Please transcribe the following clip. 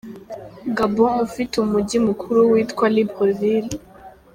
Gabon ufite umujyi mukuru witwa Libreville.